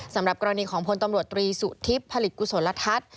สำหรับกรณีของพลตำรวจตรีสุทิพย์ผลิตกุศลทัศน์